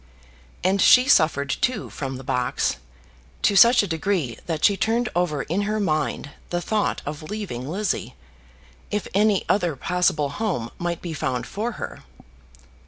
And she suffered, too, from the box, to such a degree that she turned over in her mind the thought of leaving Lizzie, if any other possible home might be found for her.